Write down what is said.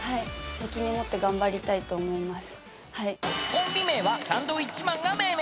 責任持って頑張りたいと思います。